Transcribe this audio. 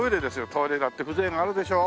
トイレだって風情があるでしょ？